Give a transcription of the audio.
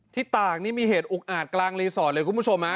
ตากนี่มีเหตุอุกอาจกลางรีสอร์ทเลยคุณผู้ชม